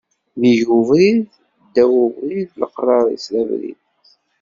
Nnig ubrid, ddaw ubrid, leqrar-is d abrid